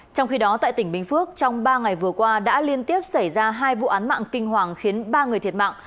trong khi đó tại tỉnh bình phước trong ba ngày vừa qua đã liên tiếp xảy ra hai vụ án mạng kinh hoàng khiến ba người thiệt mạng